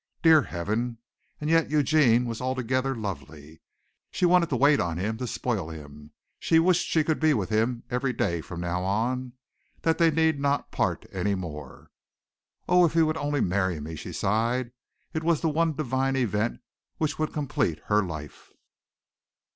Dear Heaven! And yet Eugene was altogether lovely. She wanted to wait on him, to spoil him. She wished she could be with him every day from now on that they need not part any more. "Oh, if he would only marry me," she sighed. It was the one divine event which would complete her life.